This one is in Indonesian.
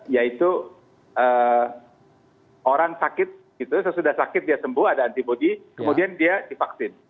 yaitu orang sakit gitu sesudah sakit dia sembuh ada antibody kemudian dia divaksin